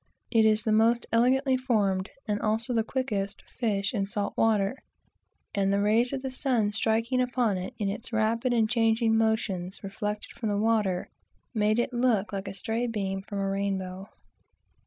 It is the most elegantly formed, and also the quickest fish, in salt water; and the rays of the sun striking upon it, in its rapid and changing motions, reflected from the water, make it look like a stray beam from a rainbow.